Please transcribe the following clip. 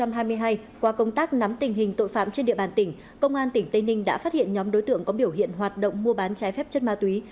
năm hai nghìn hai mươi hai qua công tác nắm tình hình tội phạm trên địa bàn tỉnh công an tỉnh tây ninh đã phát hiện nhóm đối tượng có biểu hiện hoạt động mua bán trái phép chất ma túy